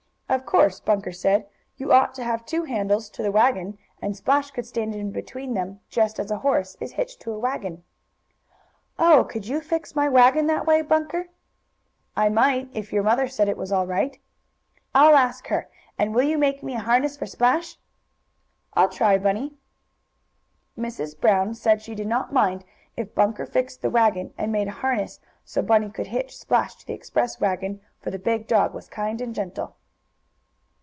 "Of course," Bunker said. "You ought to have two handles to the wagon, and Splash could stand in between them, just as a horse is hitched to a wagon." "Oh, could you fix my wagon that way, Bunker?" "I might, if your mother said it was all right." "I'll ask her. And will you make me a harness for Splash?" "I'll try, Bunny." Mrs. Brown said she did not mind if Bunker fixed the wagon and made a harness so Bunny could hitch Splash to the express wagon, for the big dog was kind and gentle.